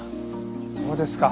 そうですか。